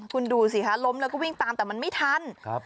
คุณดูสิคะล้มแล้วก็วิ่งตามแต่มันไม่ทันครับ